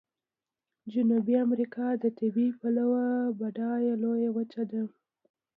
جنوبي امریکا د طبیعي پلوه بډایه لویه وچه ده.